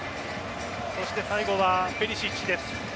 そして最後はペリシッチです。